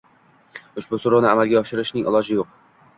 Ushbu soʻrovni amalga oshirishning ilojisi yoʻq